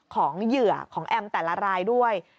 เหยื่อของแอมแต่ละรายด้วย